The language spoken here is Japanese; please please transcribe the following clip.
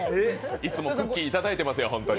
いつもクッキーいただいてますよ、ホントに。